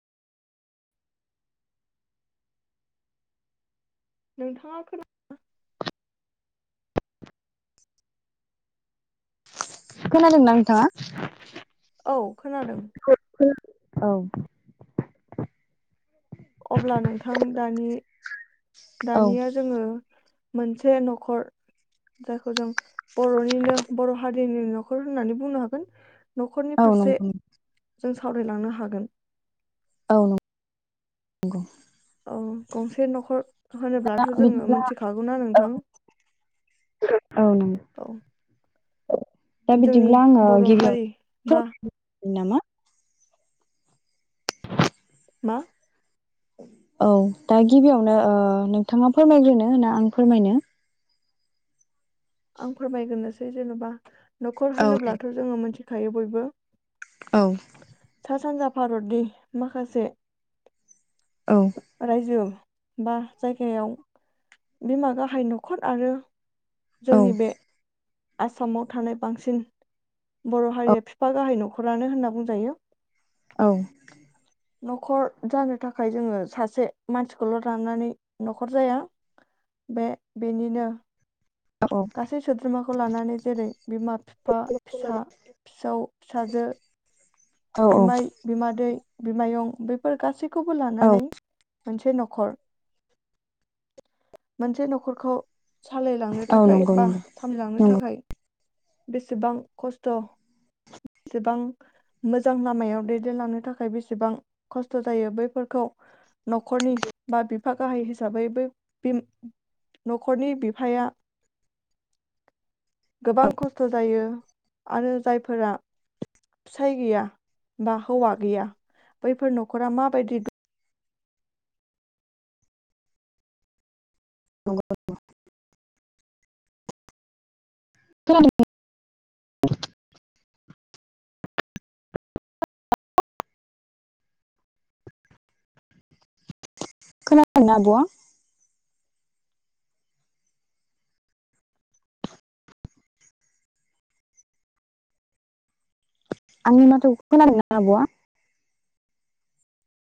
नोंथाङा खोना खोनादोंना नोंथाङा औ खोनादों औ अब्ला नोंथां दानि औ दानिया जोङो मोनसे न'खर जायखौ जों बर'निनो बर' हारि नि न'खर होननानै बुंनो हागोन न'खरनि औ फारसे नंगौ जों सावरायलांनो हागोन औ नंगौ औ गंसे न'खर होनोब्लाथ जोङो बिदिब्ला मिथिखागौना औ नोंथां औ नंगौ औ दा जोंनि बिदिब्ला आङो बर हारि गिबियावनो बा फोरमायनो नामा मा औ दा गिबियावनो ओ नोंथाङा फोरमायग्रोनो ना आं फोरमायनो आं फोरमायग्रोनोसै जेनबा नखर औ होनोब्लाथ जोङो मोनसे खायो बयबो। औ। सा सानजा भारतनि माखासे औ रायजो बा जायगायाव बिमा गाहाय नखर आरो औ जोंनि बे आसामाव थानाय बांसिन बर' औ हारिया बिफा गाहाय नखरानो होनना बुंजायो। औ। नखर जानो थाखाय जोङो सासे मानसिखौल' लानानै नखर जाया बे बेनिनो गासै सोद्रोमाखौ लानानै जेरै बिमा बिफा फिसा फिसौ फिसाजो औ बिमाइ बिमादै बिमायं बेफोर गासै खौबो औ लानानै मोनसे नखर मोनसे नखरखौ सालायलांनो औ थाखाय नंगौ बा नंगौ सामलायलांनो नंगौ थाखाय बेसेबां खस्थ' बेसेबां मोजां लामायाव दैदेनलांनो थाखाय बेसेबां खस्थ' जायो बैफोरखौ नखरनि बा बिफा गाहाय हिसाबै ब नखरनि बिफाया गोबां खस्थ' जायो आरो जायफोरा फिसाय गैया बा हौवा गैया बैफोर नखरा माबायदि [unintelligible] [unintelligible] खोनादोंना आब'आ आंनि माथोखो खोनादोंना आब'आ?